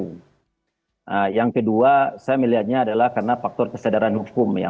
nah yang kedua saya melihatnya adalah karena faktor kesadaran hukum ya